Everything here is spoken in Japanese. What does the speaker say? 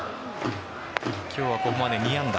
今日はここまで２安打。